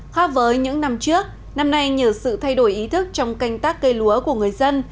khoa với những năm trước năm nay nhờ sự thay đổi ý thức trong canh tác cây lúa của người dân